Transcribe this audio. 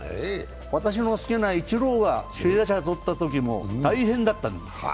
私の好きなイチローが首位打者とったときは大変だったんですよ。